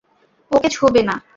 ওকে ছোঁবে না!